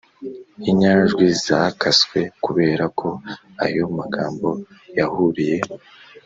inyajwi zakaswe kubera ko ayo magambo yahuriye